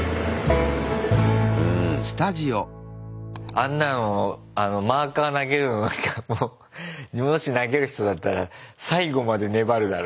あんなのあのマーカー投げるのなんかももし投げる人だったら最後まで粘るだろ。